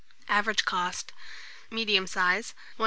Average cost, medium size, 1s.